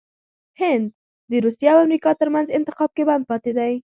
هند دروسیه او امریکا ترمنځ انتخاب کې بند پاتې دی😱